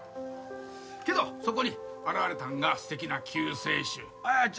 けどそこに現れたんが素敵な救世主彩ちゃんや。